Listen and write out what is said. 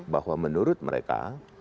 bahwa menurut mereka